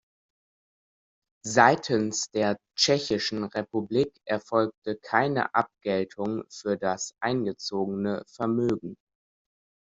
Seitens der Tschechischen Republik erfolgte keine Abgeltung für das eingezogene Vermögen.